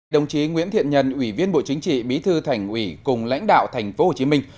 đồng chí nguyễn thiện nhân ủy viên bộ chính trị bí thư thành ủy cùng lãnh đạo thành phố hồ chí minh